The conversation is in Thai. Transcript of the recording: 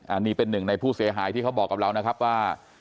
อันนี้เป็นหนึ่งในผู้เสียหายที่เขาบอกกับเรานะครับว่า